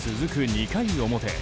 ２回表。